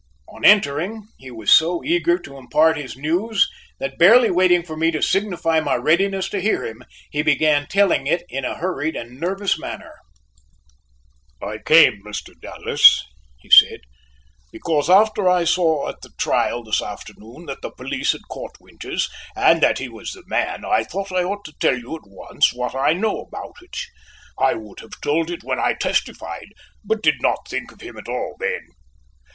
On entering he was so eager to impart his news that barely waiting for me to signify my readiness to hear him, he began telling it in a hurried and nervous manner. "I came, Mr. Dallas," he said, "because after I saw at the trial this afternoon that the police had caught Winters and that he was the man, I thought I ought to tell you at once what I know about it. I would have told it when I testified, but did not think of him at all then.